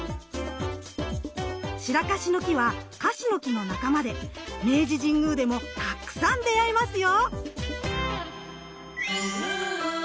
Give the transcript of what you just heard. シラカシの木はカシの木の仲間で明治神宮でもたくさん出会えますよ。